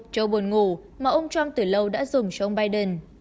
châu buồn ngủ mà ông trump từ lâu đã dùng cho ông biden